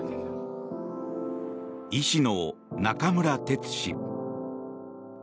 医師の中村哲氏。